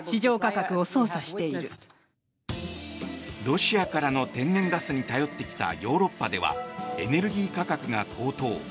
ロシアからの天然ガスに頼ってきたヨーロッパではエネルギー価格が高騰。